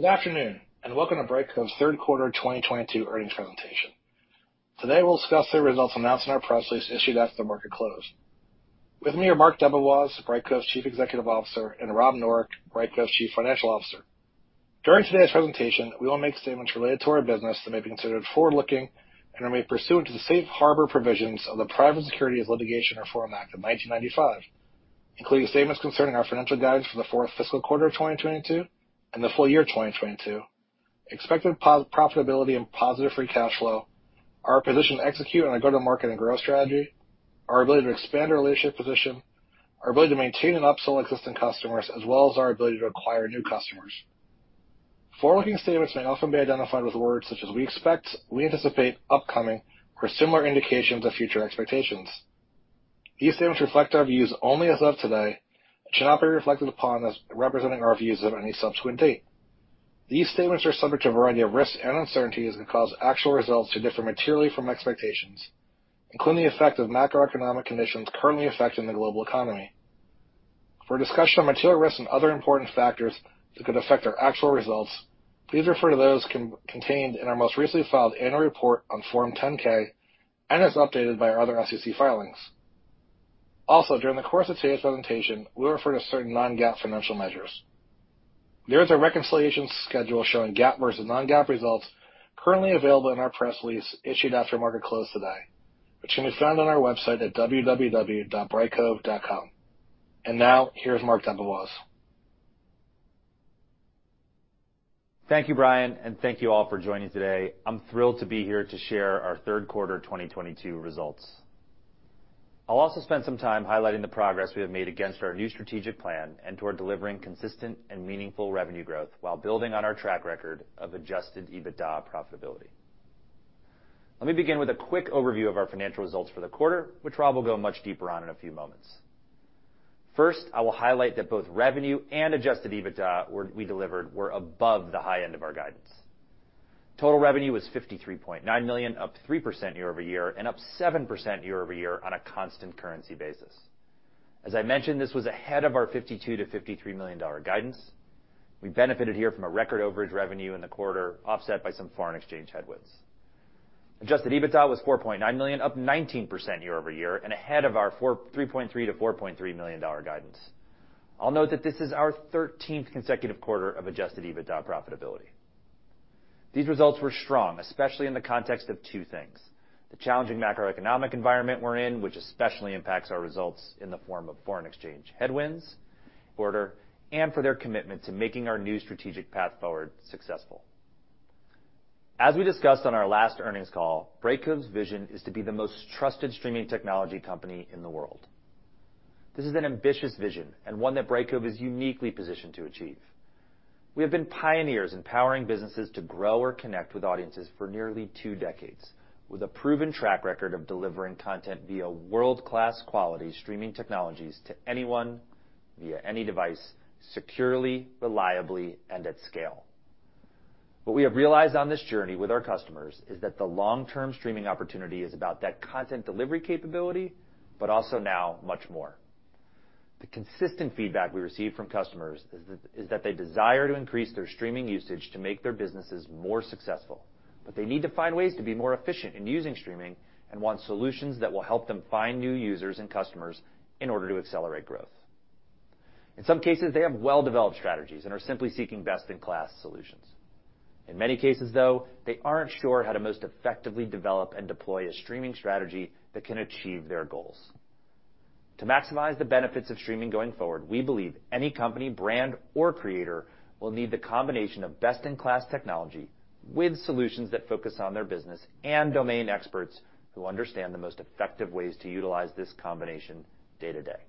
Good afternoon, and welcome to Brightcove's third quarter 2022 earnings presentation. Today, we'll discuss the results announced in our press release issued after the market closed. With me are Marc DeBevoise, Brightcove's Chief Executive Officer, and Rob Noreck, Brightcove's Chief Financial Officer. During today's presentation, we will make statements related to our business that may be considered forward-looking and are made pursuant to the safe harbor provisions of the Private Securities Litigation Reform Act of 1995, including statements concerning our financial guidance for the fourth fiscal quarter of 2022 and the full year 2022, expected profitability and positive free cash flow, our position to execute on a go-to-market and growth strategy, our ability to expand our leadership position, our ability to maintain and upsell existing customers, as well as our ability to acquire new customers. Forward-looking statements may often be identified with words such as "we expect," "we anticipate," "upcoming," or similar indications of future expectations. These statements reflect our views only as of today and should not be reflected upon as representing our views of any subsequent date. These statements are subject to a variety of risks and uncertainties that cause actual results to differ materially from expectations, including the effect of macroeconomic conditions currently affecting the global economy. For a discussion of material risks and other important factors that could affect our actual results, please refer to those contained in our most recently filed annual report on Form 10-K and as updated by our other SEC filings. Also, during the course of today's presentation, we refer to certain non-GAAP financial measures. There is a reconciliation schedule showing GAAP versus non-GAAP results currently available in our press release issued after market close today, which can be found on our website at www.brightcove.com. Now, here's Marc DeBevoise. Thank you, Brian, and thank you all for joining today. I'm thrilled to be here to share our third quarter 2022 results. I'll also spend some time highlighting the progress we have made against our new strategic plan and toward delivering consistent and meaningful revenue growth while building on our track record of Adjusted EBITDA profitability. Let me begin with a quick overview of our financial results for the quarter, which Rob will go much deeper on in a few moments. First, I will highlight that both revenue and Adjusted EBITDA we delivered were above the high end of our guidance. Total revenue was $53.9 million, up 3% year-over-year and up 7% year-over-year on a constant currency basis. As I mentioned, this was ahead of our $52 million-$53 million guidance. We benefited here from a record overage revenue in the quarter, offset by some foreign exchange headwinds. Adjusted EBITDA was $4.9 million, up 19% year-over-year and ahead of our $3.3 million-$4.3 million guidance. I'll note that this is our 13th consecutive quarter of Adjusted EBITDA profitability. These results were strong, especially in the context of two things. The challenging macroeconomic environment we're in, which especially impacts our results in the form of foreign exchange headwinds quarter, and for their commitment to making our new strategic path forward successful. As we discussed on our last earnings call, Brightcove's vision is to be the most trusted streaming technology company in the world. This is an ambitious vision and one that Brightcove is uniquely positioned to achieve. We have been pioneers in powering businesses to grow or connect with audiences for nearly two decades, with a proven track record of delivering content via world-class quality streaming technologies to anyone via any device securely, reliably, and at scale. What we have realized on this journey with our customers is that the long-term streaming opportunity is about that content delivery capability, but also now much more. The consistent feedback we receive from customers is that they desire to increase their streaming usage to make their businesses more successful, but they need to find ways to be more efficient in using streaming and want solutions that will help them find new users and customers in order to accelerate growth. In some cases, they have well-developed strategies and are simply seeking best-in-class solutions. In many cases, though, they aren't sure how to most effectively develop and deploy a streaming strategy that can achieve their goals. To maximize the benefits of streaming going forward, we believe any company, brand, or creator will need the combination of best-in-class technology with solutions that focus on their business and domain experts who understand the most effective ways to utilize this combination day to day.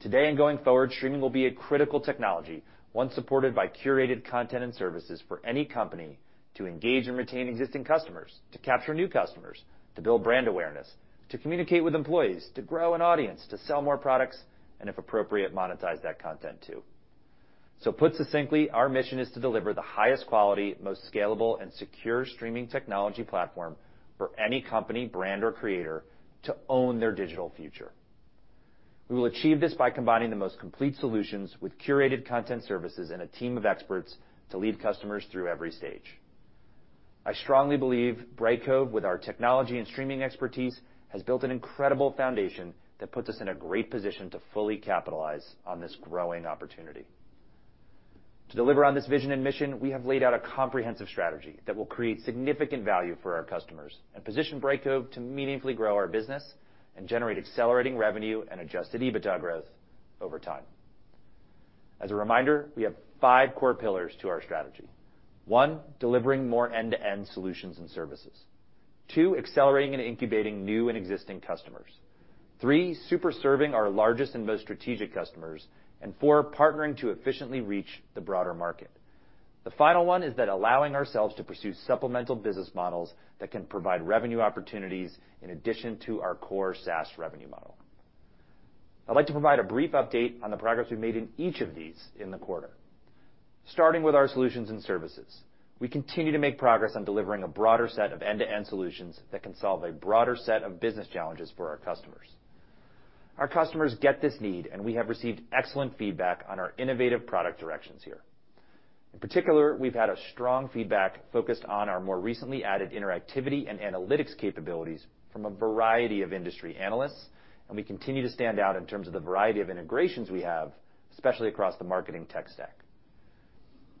Today and going forward, streaming will be a critical technology, one supported by curated content and services for any company to engage and retain existing customers, to capture new customers, to build brand awareness, to communicate with employees, to grow an audience, to sell more products, and if appropriate, monetize that content too. Put succinctly, our mission is to deliver the highest quality, most scalable, and secure streaming technology platform for any company, brand, or creator to own their digital future. We will achieve this by combining the most complete solutions with curated content services and a team of experts to lead customers through every stage. I strongly believe Brightcove, with our technology and streaming expertise, has built an incredible foundation that puts us in a great position to fully capitalize on this growing opportunity. To deliver on this vision and mission, we have laid out a comprehensive strategy that will create significant value for our customers and position Brightcove to meaningfully grow our business and generate accelerating revenue and Adjusted EBITDA growth over time. As a reminder, we have five core pillars to our strategy. One, delivering more end-to-end solutions and services. Two, accelerating and incubating new and existing customers. Three, super serving our largest and most strategic customers. And four, partnering to efficiently reach the broader market. The final one is that allowing ourselves to pursue supplemental business models that can provide revenue opportunities in addition to our core SaaS revenue model. I'd like to provide a brief update on the progress we've made in each of these in the quarter. Starting with our solutions and services, we continue to make progress on delivering a broader set of end-to-end solutions that can solve a broader set of business challenges for our customers. Our customers get this need, and we have received excellent feedback on our innovative product directions here. In particular, we've had a strong feedback focused on our more recently added interactivity and analytics capabilities from a variety of industry analysts, and we continue to stand out in terms of the variety of integrations we have, especially across the marketing tech stack.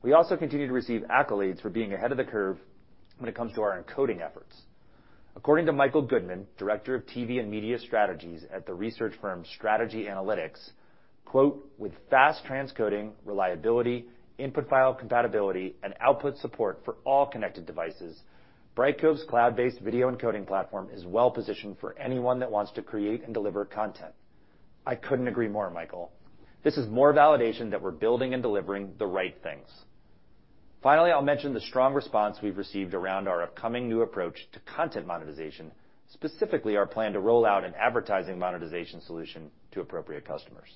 We also continue to receive accolades for being ahead of the curve when it comes to our encoding efforts. According to Michael Goodman, Director of TV & Media Strategies at the research firm Strategy Analytics, quote, "With fast transcoding, reliability, input file compatibility and output support for all connected devices, Brightcove's cloud-based video encoding platform is well-positioned for anyone that wants to create and deliver content." I couldn't agree more, Michael. This is more validation that we're building and delivering the right things. Finally, I'll mention the strong response we've received around our upcoming new approach to content monetization, specifically our plan to roll out an advertising monetization solution to appropriate customers.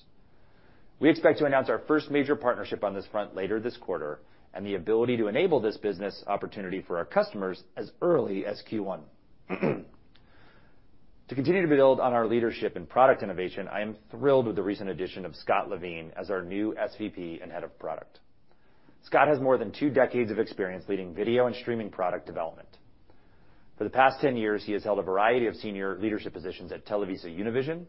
We expect to announce our first major partnership on this front later this quarter, and the ability to enable this business opportunity for our customers as early as Q1. To continue to build on our leadership in product innovation, I am thrilled with the recent addition of Scott Levine as our new SVP and Head of Product. Scott has more than two decades of experience leading video and streaming product development. For the past 10 years, he has held a variety of senior leadership positions at TelevisaUnivision,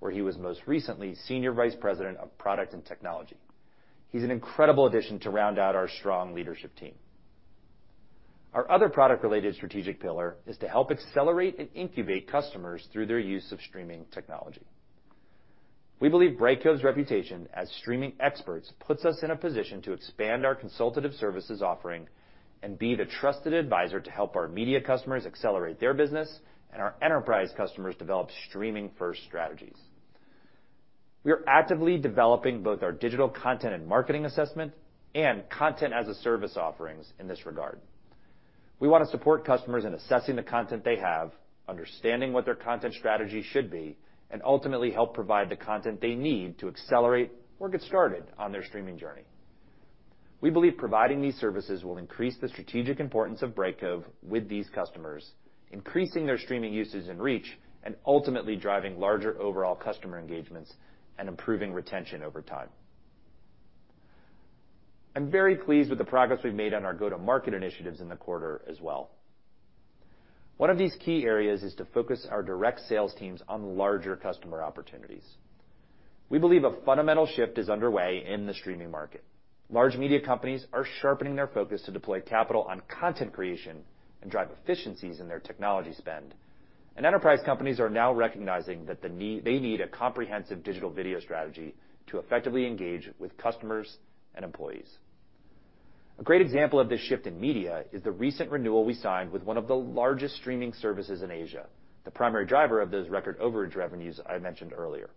where he was most recently Senior Vice President of Product and Technology. He's an incredible addition to round out our strong leadership team. Our other product-related strategic pillar is to help accelerate and incubate customers through their use of streaming technology. We believe Brightcove's reputation as streaming experts puts us in a position to expand our consultative services offering and be the trusted advisor to help our media customers accelerate their business and our enterprise customers develop streaming-first strategies. We are actively developing both our digital content and marketing assessment and content-as-a-service offerings in this regard. We wanna support customers in assessing the content they have, understanding what their content strategy should be, and ultimately help provide the content they need to accelerate or get started on their streaming journey. We believe providing these services will increase the strategic importance of Brightcove with these customers, increasing their streaming usage and reach, and ultimately driving larger overall customer engagements and improving retention over time. I'm very pleased with the progress we've made on our go-to-market initiatives in the quarter as well. One of these key areas is to focus our direct sales teams on larger customer opportunities. We believe a fundamental shift is underway in the streaming market. Large media companies are sharpening their focus to deploy capital on content creation and drive efficiencies in their technology spend, and enterprise companies are now recognizing that they need a comprehensive digital video strategy to effectively engage with customers and employees. A great example of this shift in media is the recent renewal we signed with one of the largest streaming services in Asia, the primary driver of those record overage revenues I mentioned earlier.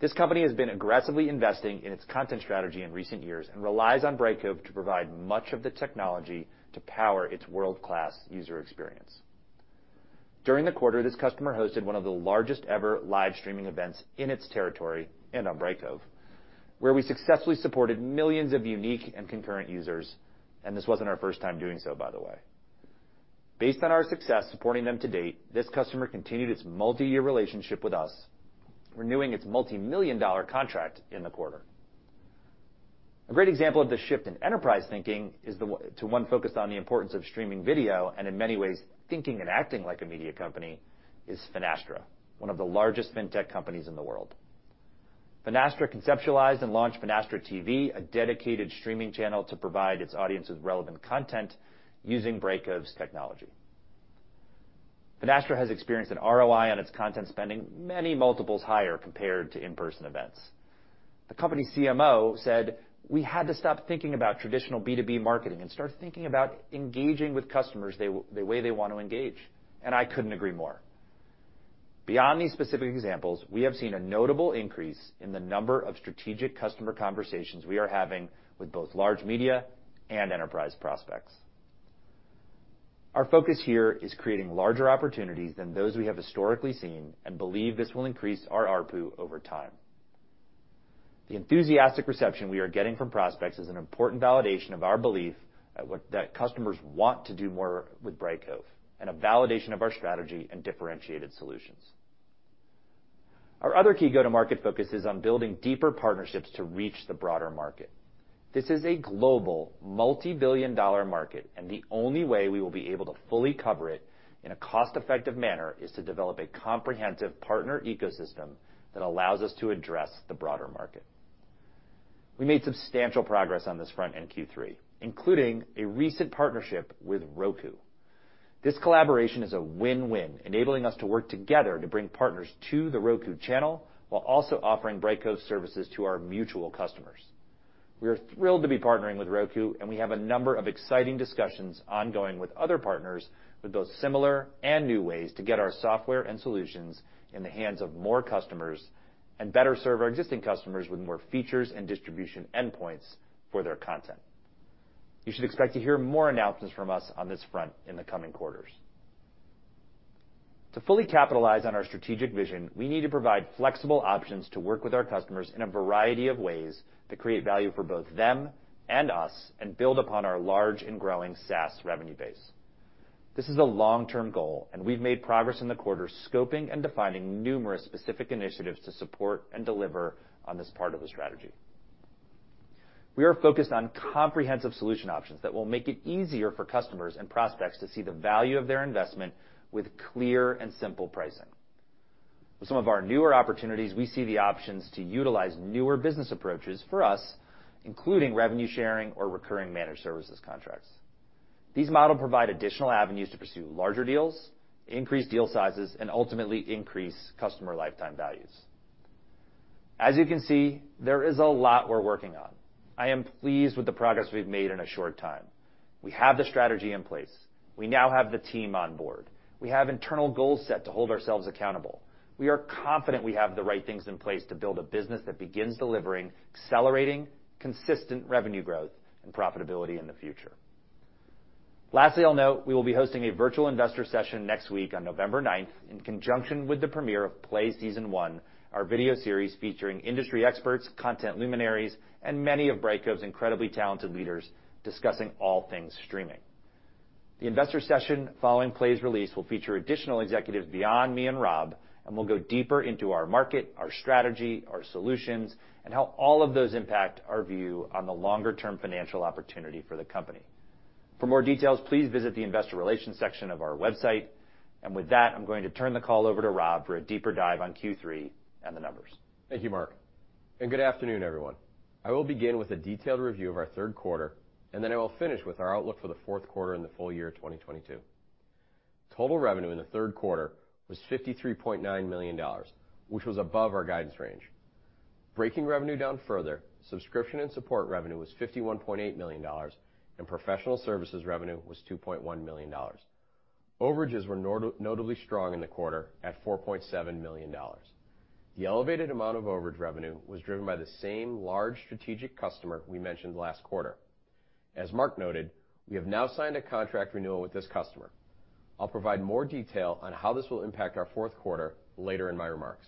This company has been aggressively investing in its content strategy in recent years and relies on Brightcove to provide much of the technology to power its world-class user experience. During the quarter, this customer hosted one of the largest ever live streaming events in its territory and on Brightcove, where we successfully supported millions of unique and concurrent users, and this wasn't our first time doing so, by the way. Based on our success supporting them to date, this customer continued its multiyear relationship with us, renewing its multimillion-dollar contract in the quarter. A great example of the shift in enterprise thinking is the way to one focused on the importance of streaming video, and in many ways, thinking and acting like a media company, is Finastra, one of the largest fintech companies in the world. Finastra conceptualized and launched Finastra TV, a dedicated streaming channel, to provide its audiences relevant content using Brightcove's technology. Finastra has experienced an ROI on its content spending many multiples higher compared to in-person events. The company CMO said, "We had to stop thinking about traditional B2B marketing and start thinking about engaging with customers the way they want to engage," and I couldn't agree more. Beyond these specific examples, we have seen a notable increase in the number of strategic customer conversations we are having with both large media and enterprise prospects. Our focus here is creating larger opportunities than those we have historically seen and believe this will increase our ARPU over time. The enthusiastic reception we are getting from prospects is an important validation of our belief that customers want to do more with Brightcove and a validation of our strategy and differentiated solutions. Our other key go-to-market focus is on building deeper partnerships to reach the broader market. This is a global multi-billion dollar market, and the only way we will be able to fully cover it in a cost-effective manner is to develop a comprehensive partner ecosystem that allows us to address the broader market. We made substantial progress on this front in Q3, including a recent partnership with Roku. This collaboration is a win-win, enabling us to work together to bring partners to The Roku Channel while also offering Brightcove services to our mutual customers. We are thrilled to be partnering with Roku, and we have a number of exciting discussions ongoing with other partners with both similar and new ways to get our software and solutions in the hands of more customers and better serve our existing customers with more features and distribution endpoints for their content. You should expect to hear more announcements from us on this front in the coming quarters. To fully capitalize on our strategic vision, we need to provide flexible options to work with our customers in a variety of ways that create value for both them and us and build upon our large and growing SaaS revenue base. This is a long-term goal, and we've made progress in the quarter scoping and defining numerous specific initiatives to support and deliver on this part of the strategy. We are focused on comprehensive solution options that will make it easier for customers and prospects to see the value of their investment with clear and simple pricing. With some of our newer opportunities, we see the options to utilize newer business approaches for us, including revenue sharing or recurring managed services contracts. These models provide additional avenues to pursue larger deals, increase deal sizes, and ultimately increase customer lifetime values. As you can see, there is a lot we're working on. I am pleased with the progress we've made in a short time. We have the strategy in place. We now have the team on board. We have internal goals set to hold ourselves accountable. We are confident we have the right things in place to build a business that begins delivering accelerating, consistent revenue growth and profitability in the future. Lastly, I'll note we will be hosting a virtual investor session next week on November ninth in conjunction with the premiere of PLAY Season 1, our video series featuring industry experts, content luminaries, and many of Brightcove's incredibly talented leaders discussing all things streaming. The investor session following PLAY's release will feature additional executives beyond me and Rob, and will go deeper into our market, our strategy, our solutions, and how all of those impact our view on the longer-term financial opportunity for the company. For more details, please visit the investor relations section of our website. With that, I'm going to turn the call over to Rob for a deeper dive on Q3 and the numbers. Thank you, Marc, and good afternoon, everyone. I will begin with a detailed review of our third quarter, and then I will finish with our outlook for the fourth quarter and the full year of 2022. Total revenue in the third quarter was $53.9 million, which was above our guidance range. Breaking revenue down further, subscription and support revenue was $51.8 million, and professional services revenue was $2.1 million. Overages were notably strong in the quarter at $4.7 million. The elevated amount of overage revenue was driven by the same large strategic customer we mentioned last quarter. As Marc noted, we have now signed a contract renewal with this customer. I'll provide more detail on how this will impact our fourth quarter later in my remarks.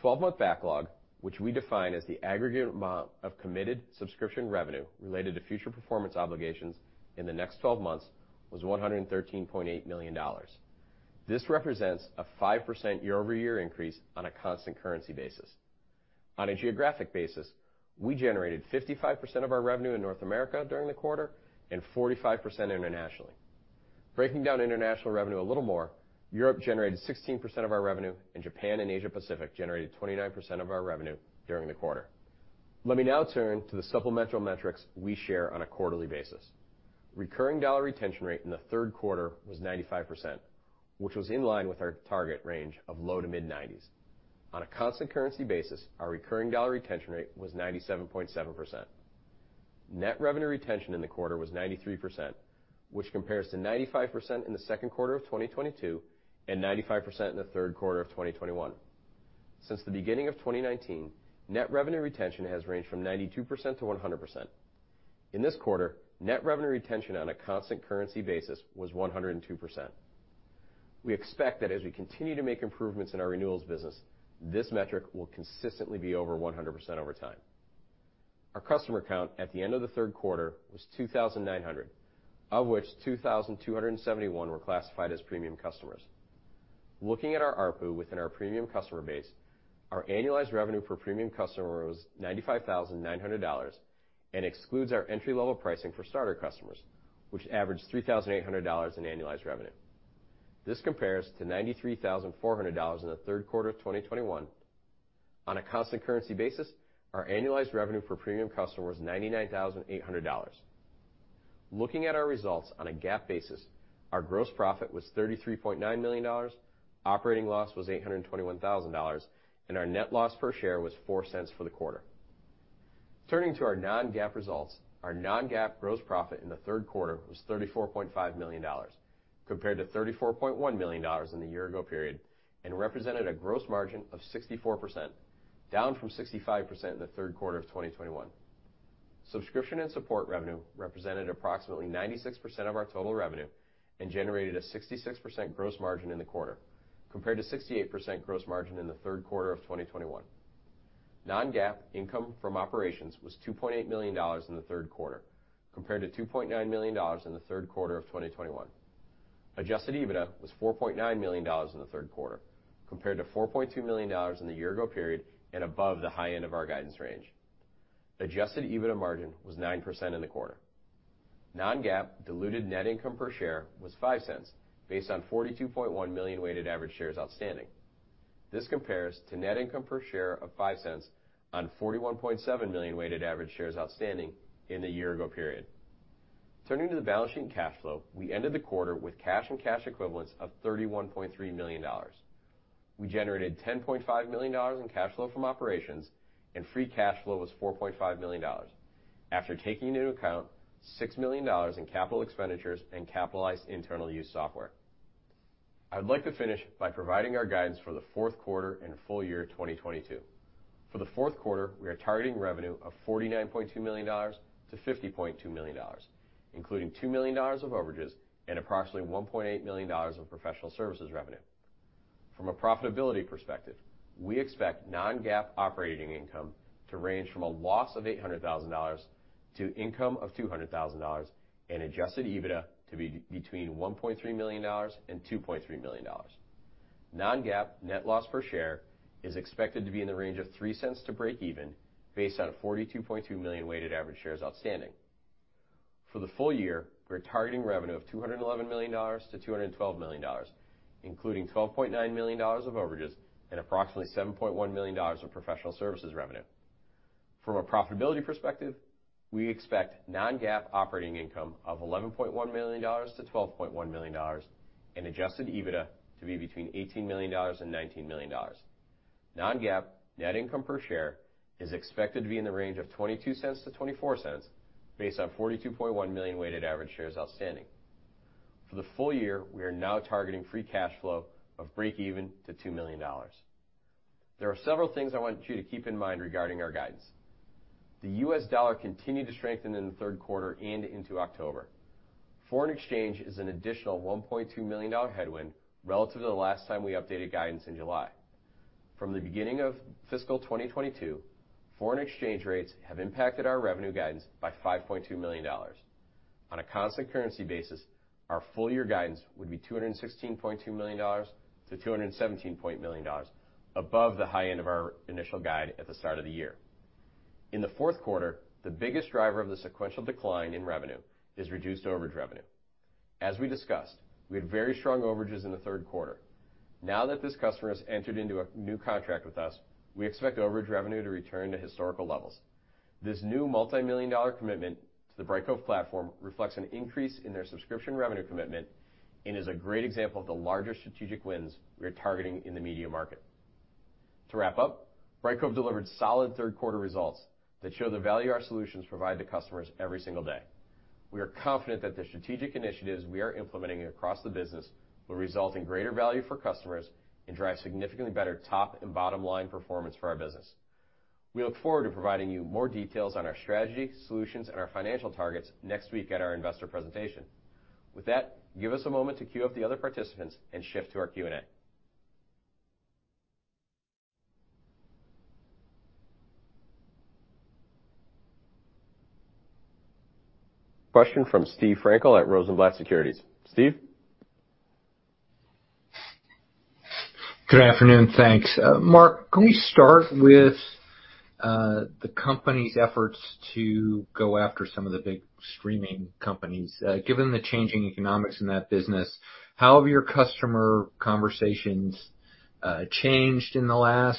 12-month backlog, which we define as the aggregate amount of committed subscription revenue related to future performance obligations in the next 12 months, was $113.8 million. This represents a 5% year-over-year increase on a constant currency basis. On a geographic basis, we generated 55% of our revenue in North America during the quarter and 45% internationally. Breaking down international revenue a little more, Europe generated 16% of our revenue, and Japan and Asia Pacific generated 29% of our revenue during the quarter. Let me now turn to the supplemental metrics we share on a quarterly basis. Recurring dollar retention rate in the third quarter was 95%, which was in line with our target range of low to mid-90s. On a constant currency basis, our recurring dollar retention rate was 97.7%. Net revenue retention in the quarter was 93%, which compares to 95% in the second quarter of 2022 and 95% in the third quarter of 2021. Since the beginning of 2019, net revenue retention has ranged from 92% to 100%. In this quarter, net revenue retention on a constant currency basis was 102%. We expect that as we continue to make improvements in our renewals business, this metric will consistently be over 100% over time. Our customer count at the end of the third quarter was 2,900, of which 2,271 were classified as premium customers. Looking at our ARPU within our premium customer base, our annualized revenue per premium customer was $95,900 and excludes our entry-level pricing for starter customers, which averaged $3,800 in annualized revenue. This compares to $93,400 in the third quarter of 2021. On a constant currency basis, our annualized revenue per premium customer was $99,800. Looking at our results on a GAAP basis, our gross profit was $33.9 million, operating loss was $821,000, and our net loss per share was $0.04 for the quarter. Turning to our non-GAAP results, our non-GAAP gross profit in the third quarter was $34.5 million compared to $34.1 million in the year ago period and represented a gross margin of 64%, down from 65% in the third quarter of 2021. Subscription and support revenue represented approximately 96% of our total revenue and generated a 66% gross margin in the quarter compared to 68% gross margin in the third quarter of 2021. Non-GAAP income from operations was $2.8 million in the third quarter compared to $2.9 million in the third quarter of 2021. Adjusted EBITDA was $4.9 million in the third quarter compared to $4.2 million in the year ago period and above the high end of our guidance range. Adjusted EBITDA margin was 9% in the quarter. Non-GAAP diluted net income per share was $0.05 based on 42.1 million weighted average shares outstanding. This compares to net income per share of $0.05 on 41.7 million weighted average shares outstanding in the year ago period. Turning to the balance sheet and cash flow, we ended the quarter with cash and cash equivalents of $31.3 million. We generated $10.5 million in cash flow from operations and free cash flow was $4.5 million after taking into account $6 million in capital expenditures and capitalized internal-use software. I would like to finish by providing our guidance for the fourth quarter and full year 2022. For the fourth quarter we are targeting revenue of $49.2 million-$50.2 million, including $2 million of overages and approximately $1.8 million of professional services revenue. From a profitability perspective, we expect non-GAAP operating income to range from a loss of $800,000 to income of $200,000 and Adjusted EBITDA to be between $1.3 million and $2.3 million. Non-GAAP net loss per share is expected to be in the range of $0.03 to breakeven based on 42.2 million weighted average shares outstanding. For the full year, we're targeting revenue of $211 million-$212 million, including $12.9 million of overages and approximately $7.1 million in professional services revenue. From a profitability perspective, we expect non-GAAP operating income of $11.1 million-$12.1 million and Adjusted EBITDA to be between $18 million and $19 million. Non-GAAP net income per share is expected to be in the range of $0.22-$0.24 based on 42.1 million weighted average shares outstanding. For the full year, we are now targeting free cash flow of breakeven to $2 million. There are several things I want you to keep in mind regarding our guidance. The US dollar continued to strengthen in the third quarter and into October. Foreign exchange is an additional $1.2 million headwind relative to the last time we updated guidance in July. From the beginning of fiscal 2022, foreign exchange rates have impacted our revenue guidance by $5.2 million. On a constant currency basis, our full year guidance would be $216.2 million-$217 million above the high end of our initial guide at the start of the year. In the fourth quarter, the biggest driver of the sequential decline in revenue is reduced overage revenue. As we discussed, we had very strong overages in the third quarter. Now that this customer has entered into a new contract with us, we expect overage revenue to return to historical levels. This new multi-million dollar commitment to the Brightcove platform reflects an increase in their subscription revenue commitment and is a great example of the larger strategic wins we are targeting in the media market. To wrap up, Brightcove delivered solid third quarter results that show the value our solutions provide to customers every single day. We are confident that the strategic initiatives we are implementing across the business will result in greater value for customers and drive significantly better top and bottom line performance for our business. We look forward to providing you more details on our strategy, solutions, and our financial targets next week at our investor presentation. With that, give us a moment to queue up the other participants and shift to our Q&A. Question from Steve Frankel at Rosenblatt Securities. Steve. Good afternoon, thanks. Marc, can we start with the company's efforts to go after some of the big streaming companies? Given the changing economics in that business, how have your customer conversations changed in the last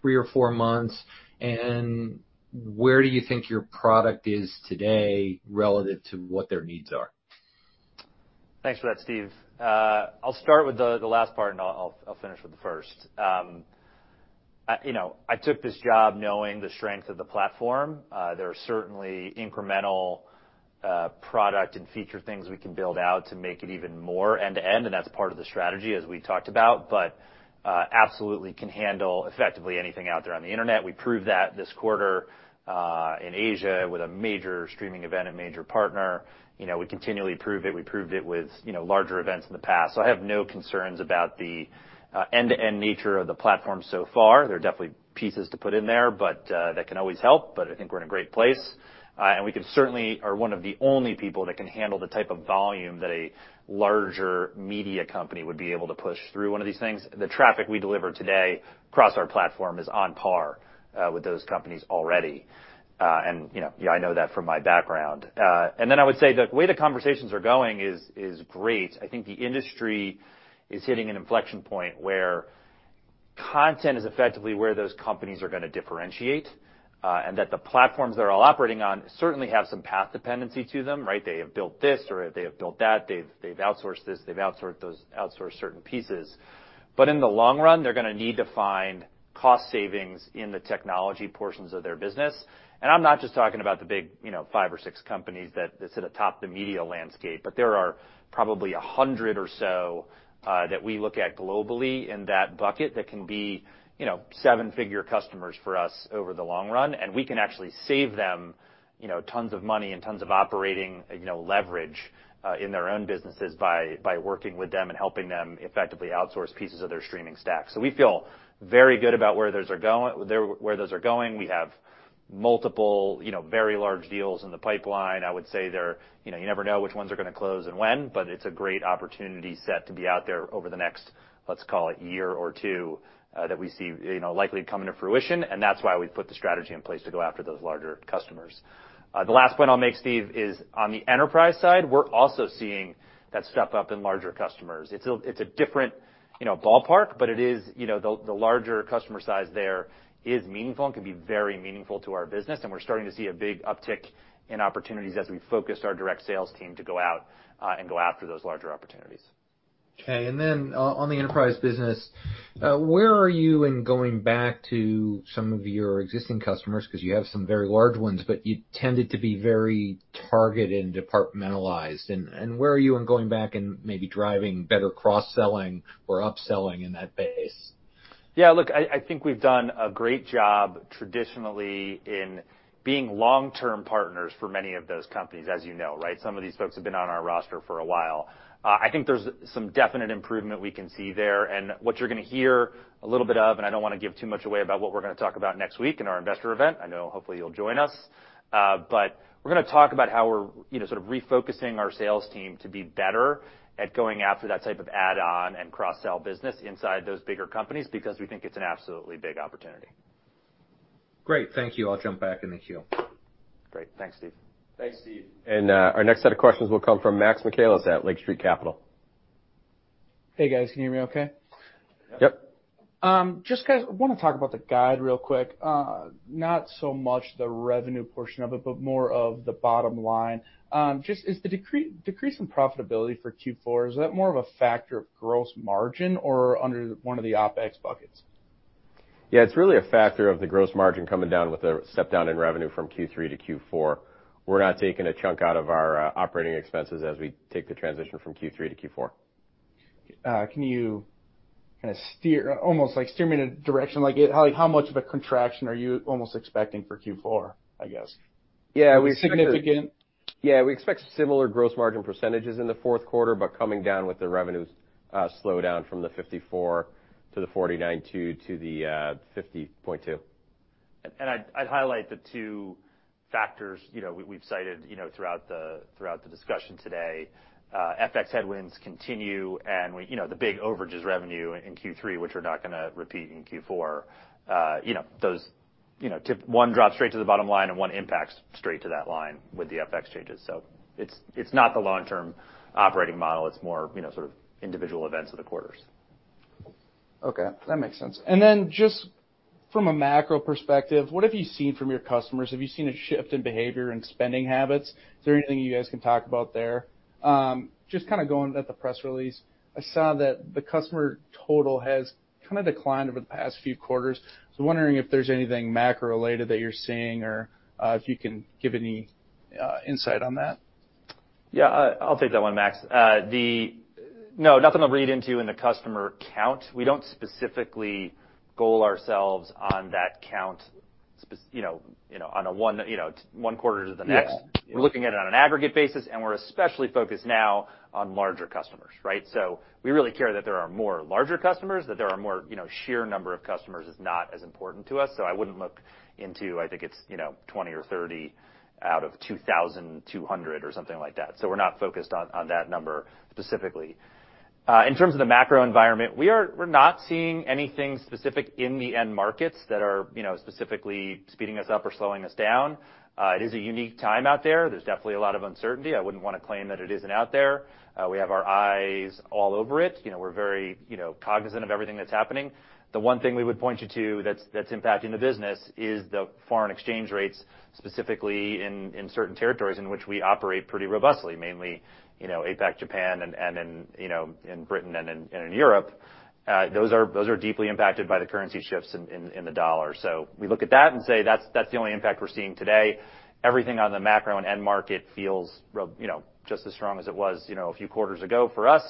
three or four months? Where do you think your product is today relative to what their needs are? Thanks for that, Steve. I'll start with the last part and I'll finish with the first. You know, I took this job knowing the strength of the platform. There are certainly incremental product and feature things we can build out to make it even more end-to-end, and that's part of the strategy as we talked about, but absolutely can handle effectively anything out there on the internet. We proved that this quarter in Asia with a major streaming event, a major partner. You know, we continually prove it. We proved it with you know, larger events in the past. I have no concerns about the end-to-end nature of the platform so far. There are definitely pieces to put in there, but that can always help. I think we're in a great place. We can certainly are one of the only people that can handle the type of volume that a larger media company would be able to push through one of these things. The traffic we deliver today across our platform is on par with those companies already. You know, I know that from my background. I would say the way the conversations are going is great. I think the industry is hitting an inflection point where content is effectively where those companies are gonna differentiate, and that the platforms they're all operating on certainly have some path dependency to them, right? They have built this or they have built that, they've outsourced this, they've outsourced those, outsourced certain pieces. In the long run, they're gonna need to find cost savings in the technology portions of their business. I'm not just talking about the big, you know, five or six companies that sit atop the media landscape, but there are probably 100 or so that we look at globally in that bucket that can be, you know, seven-figure customers for us over the long run, and we can actually save them, you know, tons of money and tons of operating, you know, leverage in their own businesses by working with them and helping them effectively outsource pieces of their streaming stack. We feel very good about where those are going. We have multiple, you know, very large deals in the pipeline. I would say they're, you know, you never know which ones are gonna close and when, but it's a great opportunity set to be out there over the next, let's call it year or two, that we see, you know, likely coming to fruition, and that's why we've put the strategy in place to go after those larger customers. The last point I'll make, Steve, is on the enterprise side, we're also seeing that step up in larger customers. It's a different, you know, ballpark, but it is, you know, the larger customer size there is meaningful and can be very meaningful to our business, and we're starting to see a big uptick in opportunities as we focus our direct sales team to go out and go after those larger opportunities. Okay. On the enterprise business, where are you in going back to some of your existing customers because you have some very large ones, but you tended to be very targeted and departmentalized. Where are you in going back and maybe driving better cross-selling or upselling in that base? Yeah, look, I think we've done a great job traditionally in being long-term partners for many of those companies, as you know, right? Some of these folks have been on our roster for a while. I think there's some definite improvement we can see there. What you're gonna hear a little bit of, and I don't wanna give too much away about what we're gonna talk about next week in our investor event, I know hopefully you'll join us. We're gonna talk about how we're, you know, sort of refocusing our sales team to be better at going after that type of add-on and cross-sell business inside those bigger companies because we think it's an absolutely big opportunity. Great. Thank you. I'll jump back in the queue. Great. Thanks, Steven. Thanks, Steve. Our next set of questions will come from Max Michaelis at Lake Street Capital Markets. Hey, guys. Can you hear me okay? Yep. Just 'cause I wanna talk about the guide real quick. Not so much the revenue portion of it, but more of the bottom line. Just, is the decrease in profitability for Q4 more of a factor of gross margin or under one of the OpEx buckets? Yeah, it's really a factor of the gross margin coming down with a step down in revenue from Q3 to Q4. We're not taking a chunk out of our operating expenses as we take the transition from Q3 to Q4. Can you kind of steer me in a direction? Like how much of a contraction are you almost expecting for Q4, I guess? Yeah. We expect. Significant? Yeah, we expect similar gross margin percentages in the fourth quarter, but coming down with the revenue slowdown from the 54% to the 49.2% to the 50.2%. I'd highlight the two factors, you know, we've cited, you know, throughout the discussion today. FX headwinds continue, you know, the big overages revenue in Q3, which are not gonna repeat in Q4. You know, those two, one drops straight to the bottom line and one impacts straight to that line with the FX changes. It's not the long-term operating model. It's more, you know, sort of individual events of the quarters. Okay, that makes sense. Just from a macro perspective, what have you seen from your customers? Have you seen a shift in behavior and spending habits? Is there anything you guys can talk about there? Just kinda going off the press release, I saw that the customer total has kinda declined over the past few quarters. Wondering if there's anything macro-related that you're seeing or if you can give any insight on that. Yeah, I'll take that one, Max. No, nothing to read into the customer count. We don't specifically goal ourselves on that count, you know, from one quarter to the next. Yeah. We're looking at it on an aggregate basis, and we're especially focused now on larger customers, right? We really care that there are more larger customers, that there are more, you know, sheer number of customers is not as important to us. I wouldn't look into, I think it's, you know, 20 or 30 out of 2,000, 200 or something like that. We're not focused on that number specifically. In terms of the macro environment, we're not seeing anything specific in the end markets that are, you know, specifically speeding us up or slowing us down. It is a unique time out there. There's definitely a lot of uncertainty. I wouldn't wanna claim that it isn't out there. We have our eyes all over it. You know, we're very, you know, cognizant of everything that's happening. The one thing we would point you to that's impacting the business is the foreign exchange rates, specifically in certain territories in which we operate pretty robustly, mainly, you know, APAC, Japan, and, you know, in Britain and in Europe. Those are deeply impacted by the currency shifts in the dollar. We look at that and say that's the only impact we're seeing today. Everything on the macro and end market feels robust, you know, just as strong as it was, you know, a few quarters ago for us.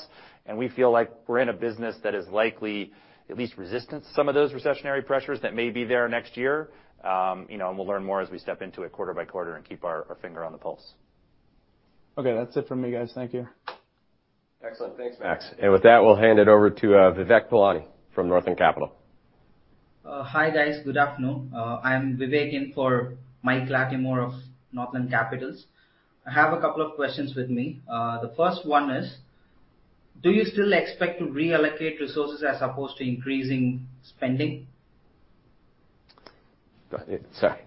We feel like we're in a business that is likely at least resistant to some of those recessionary pressures that may be there next year. You know, we'll learn more as we step into the quarter by quarter and keep our finger on the pulse. Okay. That's it for me, guys. Thank you. Excellent. Thanks, Max. With that, we'll hand it over to Vivek Balani from Northland Capital. Hi, guys. Good afternoon. I'm Vivek in for Mike Latimore of Northland Capital. I have a couple of questions with me. The first one is, do you still expect to reallocate resources as opposed to increasing spending? Go ahead. Sir.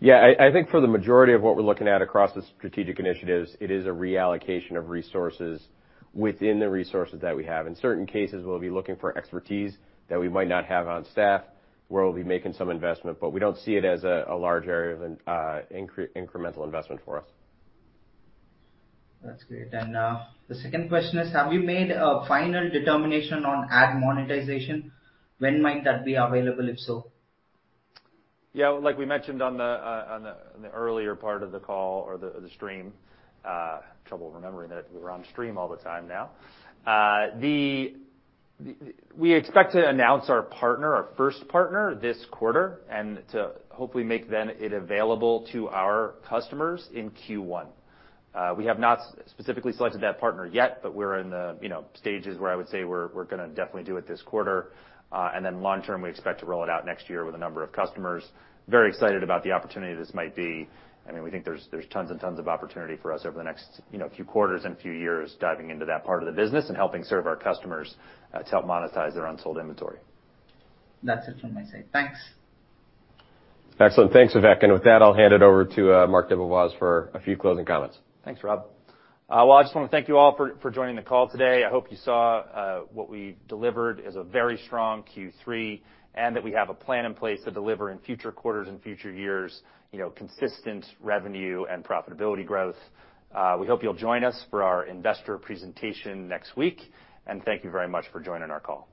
Yeah. I think for the majority of what we're looking at across the strategic initiatives, it is a reallocation of resources within the resources that we have. In certain cases, we'll be looking for expertise that we might not have on staff, where we'll be making some investment, but we don't see it as a large area of incremental investment for us. That's great. The second question is, have you made a final determination on ad monetization? When might that be available, if so? Yeah. Like we mentioned on the earlier part of the call or the stream, trouble remembering that we're on stream all the time now. We expect to announce our first partner this quarter and to hopefully make it available to our customers in Q1. We have not specifically selected that partner yet, but we're in the, you know, stages where I would say we're gonna definitely do it this quarter. Long term, we expect to roll it out next year with a number of customers. Very excited about the opportunity this might be. I mean, we think there's tons and tons of opportunity for us over the next, you know, few quarters and a few years diving into that part of the business and helping serve our customers to help monetize their unsold inventory. That's it from my side. Thanks. Excellent. Thanks, Vivek. With that, I'll hand it over to Marc DeBevoise for a few closing comments. Thanks, Rob. Well, I just wanna thank you all for joining the call today. I hope you saw what we delivered is a very strong Q3, and that we have a plan in place to deliver in future quarters and future years, you know, consistent revenue and profitability growth. We hope you'll join us for our investor presentation next week, and thank you very much for joining our call.